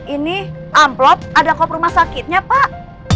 ini amplop ada kop rumah sakitnya pak